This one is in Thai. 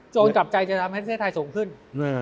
จับใจจะทำให้ประเทศไทยสูงขึ้น